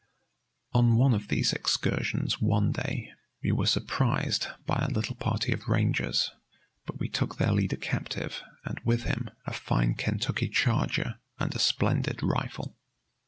On one of these excursions one day we were surprised by a little party of rangers, but we took their leader captive, and with him a fine Kentucky charger and a splendid rifle.